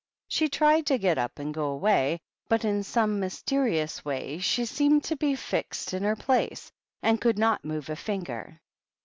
She tried to get up and go away, but in some mysterious way she seemed to be fixed in THE BI8HOP8. her place, and could not move a finger.